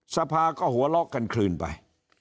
สภาก็หัวลอกกันคลื่นไป